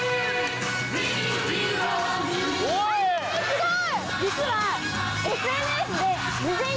すごい！